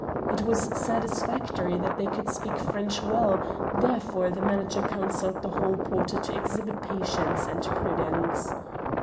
It was satisfactory that they could speak French well; therefore the manager counselled the hall porter to exhibit patience and prudence.